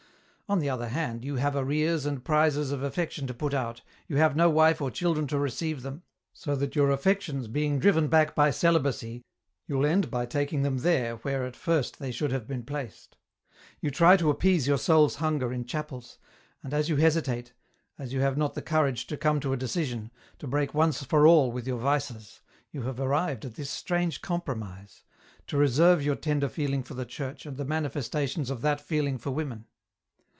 On the other hand, you have arrears and prizes of affection to put out, you have no wife or children to receive them, so that your affections being driven back by celibacy, you will end by taking them there where at first they should have been placed ; you try to appease your soul's hunger in chapels, and as you hesitate, as you have not the courage to come to a decision, to break once for all with your vices, you have arrived at this strange compromise ; to reserve your tender feeling for the church and the manifestations of that feeling for women.